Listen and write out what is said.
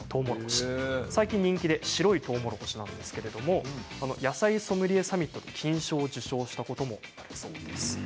最近人気で白いとうもろこしなんですけれども野菜ソムリエサミットで金賞を受賞したこともあるそうです。